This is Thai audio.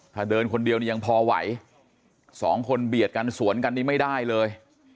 ถ้าเดินคนเดียวนี่ยังพอไหวสองคนเบียดกันสวนกันนี่ไม่ได้เลย